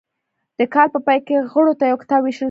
د کال په پای کې غړو ته یو کتاب ویشل کیږي.